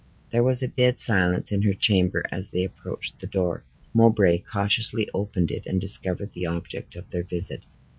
There was a dead silence in her chamber as they approached the door. Mowbray cautiously opened it, and discovered the object of their visit.